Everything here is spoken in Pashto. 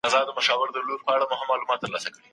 کورنۍ باید خپل ماشومان وروزي.